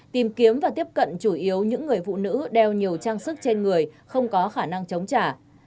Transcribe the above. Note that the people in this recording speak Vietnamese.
tìm kiếm và tiếp cận chủ yếu những người phụ nữ đeo nhiều trang sức trên người không có khả năng chống trả